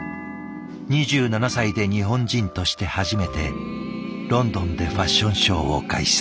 ２７歳で日本人として初めてロンドンでファッションショーを開催。